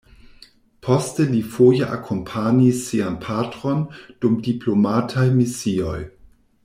Poste li foje akompanis sian patron dum diplomataj misioj.